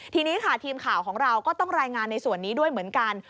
ทีนี้ค่ะทีมข่าวของเราก็ต้องรายงานในส่วนนี้ด้วยเหมือนกัน